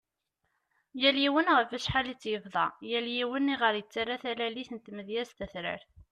Yal yiwen ɣef acḥal i tt-yebḍa, yal yiwen i ɣer yettara talalit n tmedyazt tatrart .